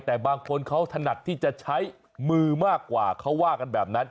แต่บางคนเขาถนัดที่จะใช้มือมากกว่าเขาว่ากันแบบนั้น